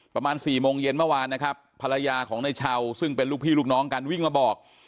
ประมาณสี่โมงเย็นเมื่อวานนะครับภรรยาของในเช้าซึ่งเป็นลูกพี่ลูกน้องกันวิ่งมาบอก